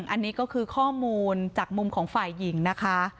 อันนี้ก็คือข้อมูลจากมุมของฝ่ายหญิงนะคะ